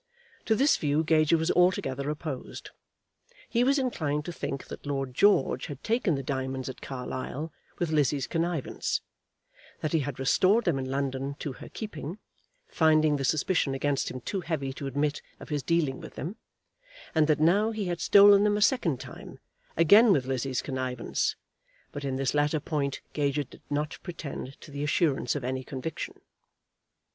To this view Gager was altogether opposed. He was inclined to think that Lord George had taken the diamonds at Carlisle with Lizzie's connivance; that he had restored them in London to her keeping, finding the suspicion against him too heavy to admit of his dealing with them, and that now he had stolen them a second time, again with Lizzie's connivance; but in this latter point Gager did not pretend to the assurance of any conviction.